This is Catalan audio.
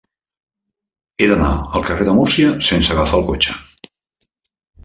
He d'anar al carrer de Múrcia sense agafar el cotxe.